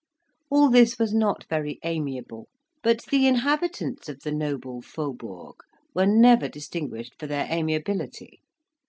All this was not very amiable; but the inhabitants of the "noble Faubourg" were never distinguished for their amiability.